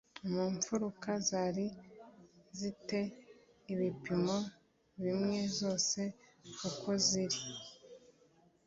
mu mfuruka zari zi te ibipimo bimwe Zose uko ari